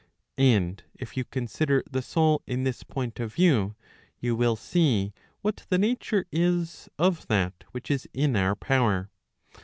And if you consider the soul in this point of view, you will see what the nature is of that which is in our power.